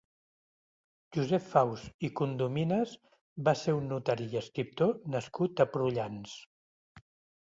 Josep Faus i Condomines va ser un notari i escriptor nascut a Prullans.